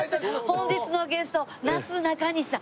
本日のゲストなすなかにしさん。